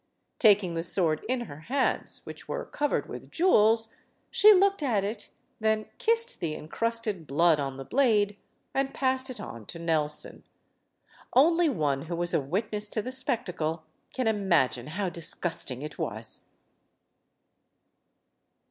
Taking the sword in her hands, which were covered with jewels, she looked at it, then kissed the incrusted blood on the blade, and passed it on to Nelson. Only one who was a witness to the spectacle can im agine how disgusting it was.